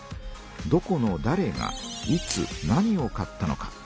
どこのだれがいつ何を買ったのか。